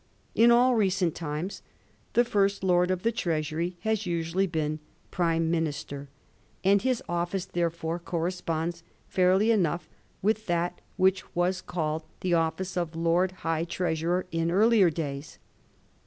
In all recent times the First Lord of the Treasury has usually been Prime Minister, and his office therefore corresponds fairly enough with that which was called the office of Lord High Treasurer in earlier days.